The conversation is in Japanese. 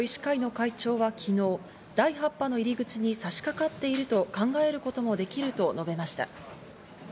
東京都医師会の会長は昨日、第８波の入り口に差し掛かっていると考えることもできると述べました。